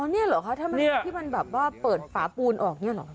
นี่เหรอคะทำไมที่มันแบบว่าเปิดฝาปูนออกเนี่ยเหรอ